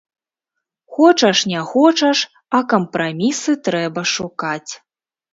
Хочаш не хочаш, а кампрамісы трэба шукаць.